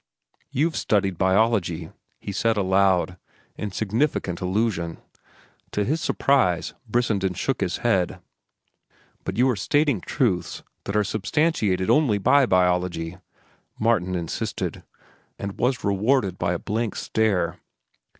"You've studied biology," he said aloud, in significant allusion. To his surprise Brissenden shook his head. "But you are stating truths that are substantiated only by biology," Martin insisted, and was rewarded by a blank stare.